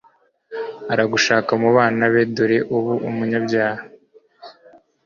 aragushaka mu bana be, dore uri umunyabyaha